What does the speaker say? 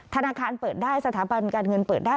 ธนาคารเปิดได้สถาบันการเงินเปิดได้